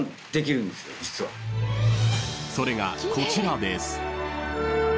［それがこちらです］